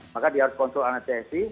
maka dia harus konsul anestesi